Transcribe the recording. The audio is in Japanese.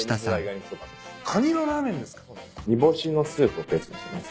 煮干しのスープをベースにしてます。